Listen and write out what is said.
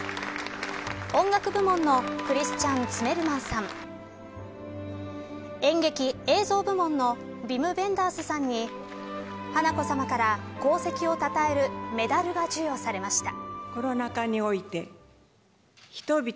音楽部門のクリスチャン・ツィメルマンさん演劇・映像部門のヴィム・ヴェンダースさんに華子さまから功績をたたえるメダルが授与されました。